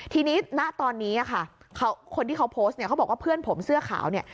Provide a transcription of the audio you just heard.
ทีนี้ณตอนนี้ค่ะคนที่เขาโพสต์เนี่ยเขาบอกว่าเพื่อนผมเสื้อขาวเนี่ย